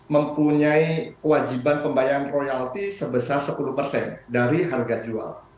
mempunyai wajiban pembayaran royalti sebesar sepuluh dari harga jual